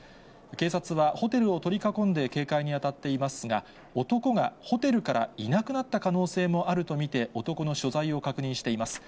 警察は、ホテルを取り囲んで警戒に当たっていますが、男がホテルからいなくなった可能性もあると見て、男の所在を確認しています。